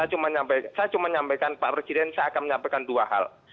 saya cuma nyampaikan pak presiden saya akan menyampaikan dua hal